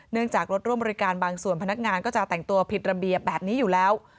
จากรถร่วมบริการบางส่วนพนักงานก็จะแต่งตัวผิดระเบียบแบบนี้อยู่แล้ว